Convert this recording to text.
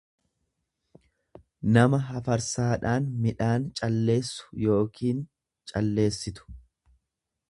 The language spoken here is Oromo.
nama hafarsaadhaan midhaan calleessu yookiin calleessitu.